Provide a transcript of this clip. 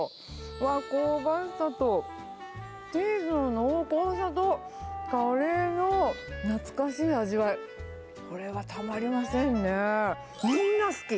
わー、香ばしさとチーズの濃厚さと、カレーの懐かしい味わい、これはたまりませんね。